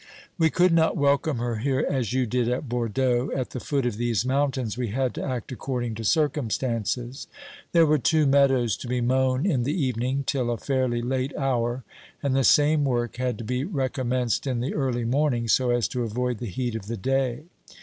We could not welcome her here as you did at Bordeaux ; at the foot of these mountains we had to act according to circumstances. There were two meadows to be mown in the evening, till a fairly late hour, and the same work had to be recommenced in the early morning, so as to avoid the heat of the day.